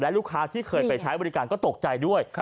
ลูกค้าที่เคยไปใช้บริการก็ตกใจด้วย